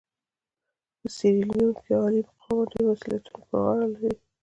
په سیریلیون کې عالي مقامان ډېر مسوولیتونه پر غاړه لري.